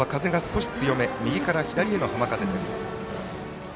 今日は風が少し強め右から左への浜風です。